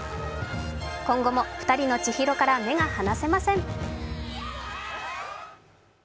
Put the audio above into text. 今後も２人の千尋から目が離せません。